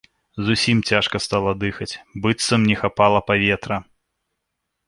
Зусім цяжка стала дыхаць, быццам не хапала паветра.